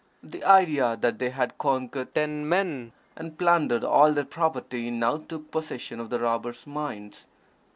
The idea that they had conquered ten men and plundered all their property, now took possession of the robbers' minds.